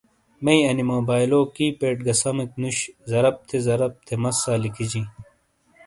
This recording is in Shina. میئ انی موبائلو کی پیڈ گہ سمیک نُش۔ زرپ تھے زرپ تھے مسا لکھِجِیں۔